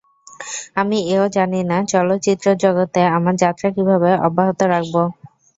আমি এ-ও জানি না, চলচ্চিত্র জগতে আমার যাত্রা কীভাবে অব্যাহত রাখব।